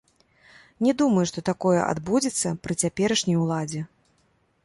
Не думаю, што такое адбудзецца пры цяперашняй уладзе.